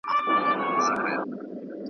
د لستوڼي مار .